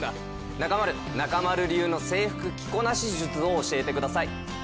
中丸、中丸流の制服着こなし術を教えてください。